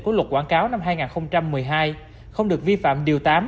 của luật quảng cáo năm hai nghìn một mươi hai không được vi phạm điều tám